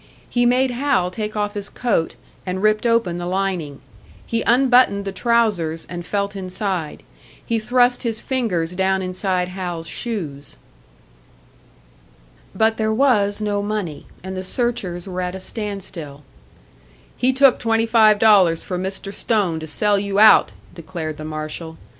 He made Hal take off his coat, and ripped open the lining; he unbuttoned the trousers and felt inside; he thrust his fingers down inside Hal's shoes. But there was no money, and the searchers were at a standstill. "He took twenty five dollars from Mr. Stone to sell you out!" declared the marshal.